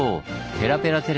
ペラペラ。